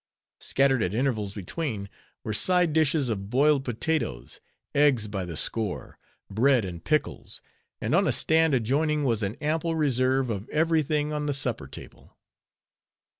Scattered at intervals between, were side dishes of boiled potatoes, eggs by the score, bread, and pickles; and on a stand adjoining, was an ample reserve of every thing on the supper table.